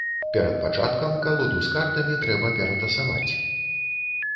Перад пачаткам калоду з картамі трэба ператасаваць.